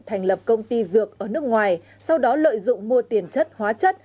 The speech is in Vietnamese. thành lập công ty dược ở nước ngoài sau đó lợi dụng mua tiền chất hóa chất